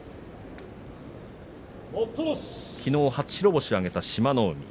きのう初白星を挙げた志摩ノ海。